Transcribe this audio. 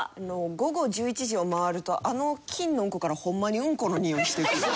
午後１１時を回るとあの金のうんこからホンマにうんこのにおいしてくる。